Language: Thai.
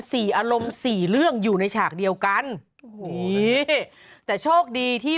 อารมณ์สี่เรื่องอยู่ในฉากเดียวกันโอ้โหแต่โชคดีที่